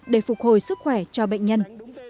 để phục hồi sức khỏe cho bệnh nhân